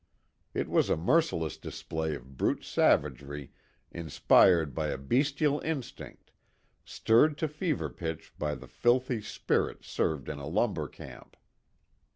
It was a merciless display of brute savagery inspired by a bestial instinct, stirred to fever pitch by the filthy spirit served in a lumber camp.